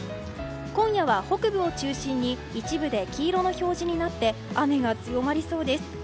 今夜は北部を中心に一部で黄色の表示になって雨が強まりそうです。